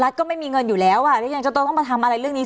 รัฐก็ไม่มีเงินแล้วและต้องก็จะต้องมาทำอะไรเรื่องนี้